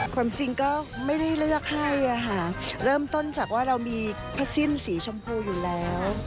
ความจริงก็ไม่ได้เลือกให้เริ่มต้นจากว่าเรามีผ้าสิ้นสีชมพูอยู่แล้ว